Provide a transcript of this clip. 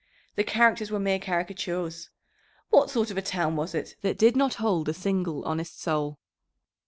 The characters were mere caricatures. "What sort of a town was it that did not hold a single honest soul?"